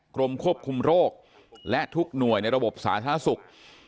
กรมควบคุมโรคและทุกหน่วยในระบบสาธารณสุข